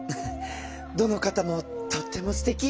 どの方もとってもすてき。